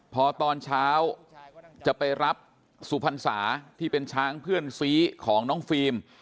พอตอนเช้าจะไปรับสุพรรษาที่เป็นช้างเพื่อนซีของน้องฟิล์ม